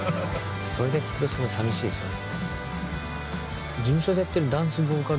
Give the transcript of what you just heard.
それだけ聞くとすごい寂しいですよね。